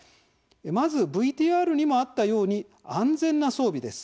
まず、ＶＴＲにもあったように安全な装備です。